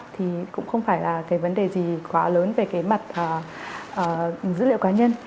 thì cũng không phải là cái vấn đề gì quá lớn về cái mặt dữ liệu cá nhân